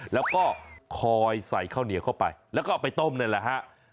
แล้วก็คอยใส่ข้าวเหนียวเข้าไปแล้วก็เอาไปต้มนั่นแหละฮะ